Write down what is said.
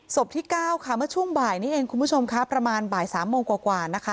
ที่๙ค่ะเมื่อช่วงบ่ายนี้เองคุณผู้ชมค่ะประมาณบ่าย๓โมงกว่านะคะ